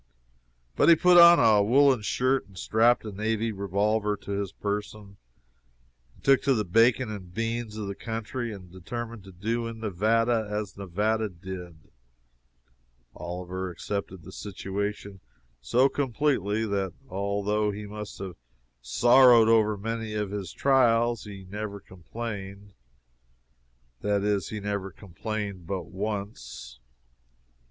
But he put on a woollen shirt and strapped a navy revolver to his person, took to the bacon and beans of the country, and determined to do in Nevada as Nevada did. Oliver accepted the situation so completely that although he must have sorrowed over many of his trials, he never complained that is, he never complained but once.